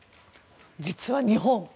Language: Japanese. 実は、日本。